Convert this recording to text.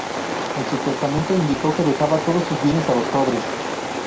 En su testamento indicó que dejaba todos sus bienes a los pobres.